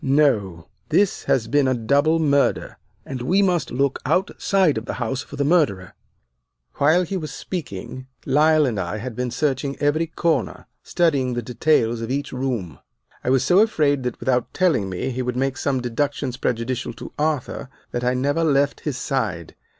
No, this has been a double murder, and we must look outside of the house for the murderer.' "While he was speaking Lyle and I had been searching every corner, studying the details of each room. I was so afraid that, without telling me, he would make some deductions prejudicial to Arthur, that I never left his side.